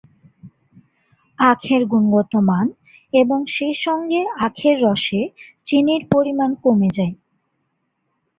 আখের গুণগত মান এবং সেসঙ্গে আখের রসে চিনির পরিমাণ কমে যায়।